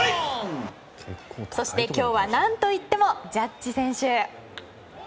そして今日は何といってもジャッジ選手。